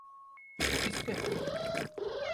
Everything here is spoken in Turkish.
Ofiste.